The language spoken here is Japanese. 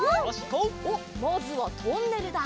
おっまずはトンネルだ。